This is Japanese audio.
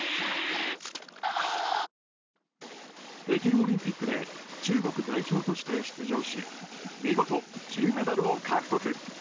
北京オリンピックで中国代表として出場し見事、金メダルを獲得。